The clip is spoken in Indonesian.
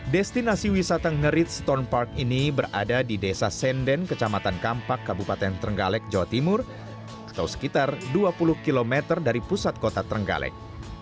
destinasi wisata ngerit stone park ini berada di desa senden kecamatan kampak kabupaten trenggalek jawa timur atau sekitar dua puluh km dari pusat kota trenggalek